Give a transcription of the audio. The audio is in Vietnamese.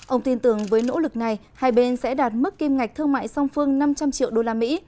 ông tin tưởng với nỗ lực này hai bên sẽ đạt mức kim ngạch thương mại song phương năm trăm linh triệu usd